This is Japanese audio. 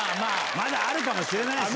まだあるかもしれないし。